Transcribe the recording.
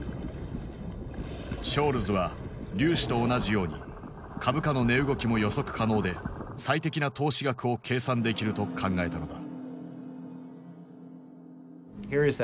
ショールズは粒子と同じように株価の値動きも予測可能で最適な投資額を計算できると考えたのだ。